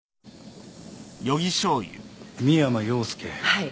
はい。